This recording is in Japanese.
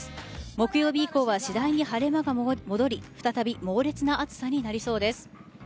木曜日以降は次第に晴れ間が戻り再び猛烈な暑さになりそうです。